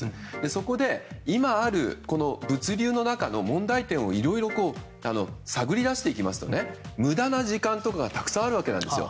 そこで今ある物流の中の問題点をいろいろ探り出していきますと無駄な時間とかがたくさんあるわけなんですよ。